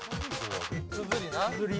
つづりな。